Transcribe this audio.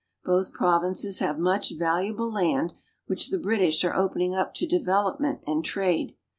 Both prov inces have much valuable land which the British are opening up to development and trade.